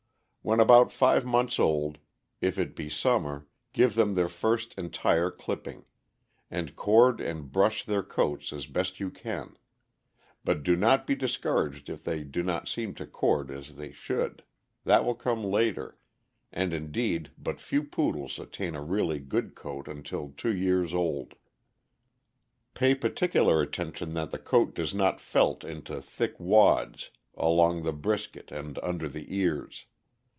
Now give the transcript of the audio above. When about five months old, if it be summer, give them their first entire clipping, and cord and brush their coats as best you can, but do not be discouraged if they do not seem to cord as they should; that will come later, and indeed but few Poodles attain a really good coat until two years old. Pay particular attention that the coat does not felt into thick wads along the brisket and under the ears.